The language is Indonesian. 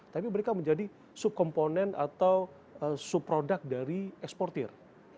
tapi mereka menjadi sub component atau sub product dari eksportir